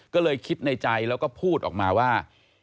ก็เลยคิดในใจแล้วก็พูดออกมาว่า